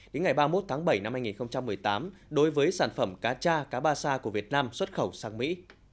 đến ngày ba mươi một tháng bảy năm hai nghìn một mươi tám đối với sản phẩm cá cha cá ba sa của việt nam xuất khẩu sang mỹ